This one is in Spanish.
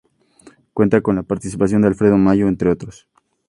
Cuenta con la participación de Alfredo Mayo entre otros.